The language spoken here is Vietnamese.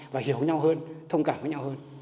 và hiểu nhau hơn thông cảm với nhau hơn